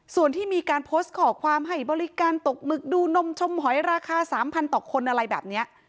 ส่วนที่มีการโพสต์ขอความให้บริการตกหมึกดูนมชมหอยราคา๓๐๐ต่อคนอะไรแบบนี้